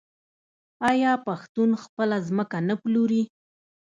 آیا پښتون خپله ځمکه نه پلوري؟